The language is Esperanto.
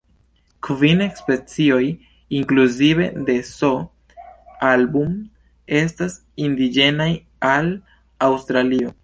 Kvin specioj, inkluzive de "S. album", estas indiĝenaj al Aŭstralio.